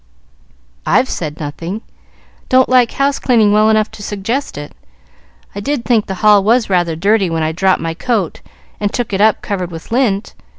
"I've said nothing. Don't like house cleaning well enough to suggest it. I did think the hall was rather dirty when I dropped my coat and took it up covered with lint.